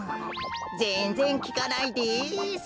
ぜんぜんきかないです。